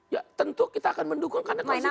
ya tentu kita akan mendukung karena konstitusi